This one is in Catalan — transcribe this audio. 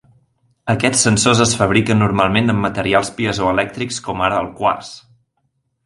Aquests sensors es fabriquen normalment amb materials piezoelèctrics com ara el quars.